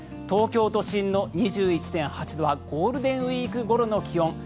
東京都心の２１．８度はゴールデンウィーク頃の気温。